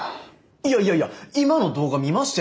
いやいやいや今の動画見ましたよね？